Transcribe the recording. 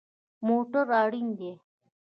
موټر اړین دی